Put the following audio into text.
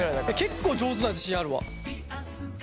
結構上手な自信あるわ。